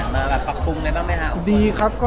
มาปรับปรุงได้ต้องไหมครับ